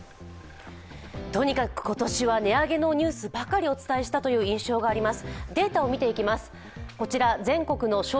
とにかく今年は値上げのニュースばかりお伝えした印象があります。